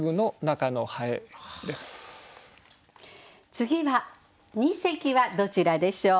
次は二席はどちらでしょう。